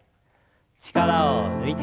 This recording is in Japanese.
力を抜いて。